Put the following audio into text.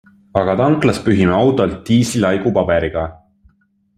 Aga tanklas pühime autolt diisli laigu paberiga.